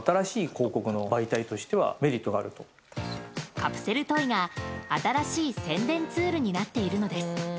カプセルトイが新しい宣伝ツールになっているのです。